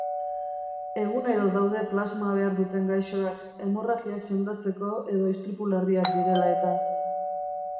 Egunero daude plasma behar duten gaixoak, hemorragiak sendatzeko edo istripu larriak direla eta.